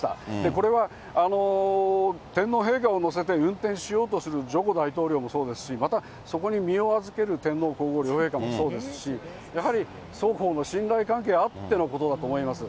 これは天皇陛下を乗せて運転しようとするジョコ大統領もそうですし、またそこに身を預ける天皇皇后両陛下もそうですし、やはり双方の信頼関係あってのことだと思います。